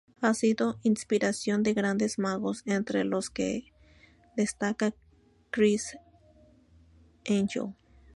Ha sido inspiración de grandes magos entre los que destaca Criss Angel.